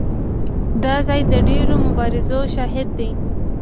دا ځای د ډېرو مبارزو شاهد دی.